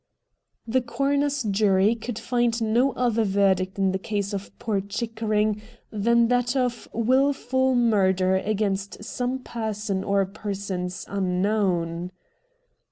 The coroner's jury could find no other verdict in the case of poor Chickering than 202 RED DIAMONDS that of ' Wilful murder against some person or persons unknown.'